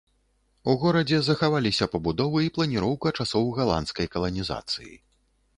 У горадзе захаваліся пабудовы і планіроўка часоў галандскай каланізацыі.